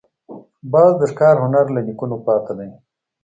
باز د ښکار هنر له نیکونو پاتې دی